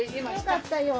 よかったよ。